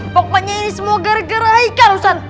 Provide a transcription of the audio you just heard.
pokoknya ini semua gara gara haikal ustaz